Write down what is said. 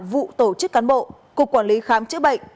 vụ tổ chức cán bộ cục quản lý khám chữa bệnh